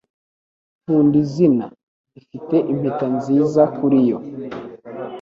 Nkunda izina . Ifite impeta nziza kuri yo.